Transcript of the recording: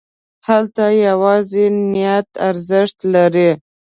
هلته یوازې نیت ارزښت لري.